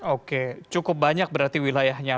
oke cukup banyak berarti wilayahnya